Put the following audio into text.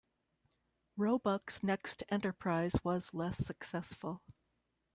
Roebuck's next enterprise was less successful.